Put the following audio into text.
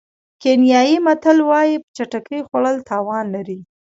کینیايي متل وایي په چټکۍ خوړل تاوان لري.